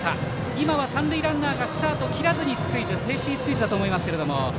今は三塁ランナーがスタートを切らなかったのでセーフティースクイズだったと思いますが。